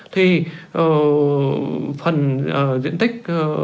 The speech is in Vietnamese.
thì phần diện tích